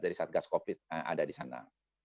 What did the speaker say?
dari saat gas covid ada di sana